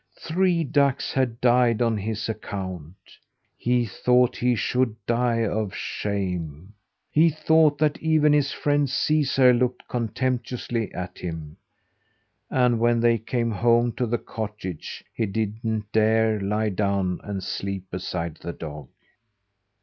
Three ducks had died on his account. He thought he should die of shame. He thought that even his friend Caesar looked contemptuously at him; and when they came home to the cottage, he didn't dare lie down and sleep beside the dog.